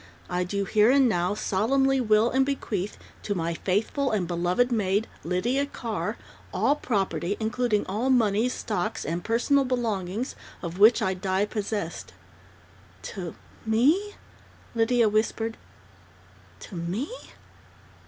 I do here and now solemnly will and bequeath to my faithful and beloved maid, Lydia Carr, all property, including all moneys, stocks and personal belongings of which I die possessed " "To me?" Lydia whispered. "To me?"